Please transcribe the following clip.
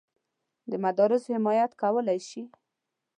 د مدرسو حمایت کولای شي.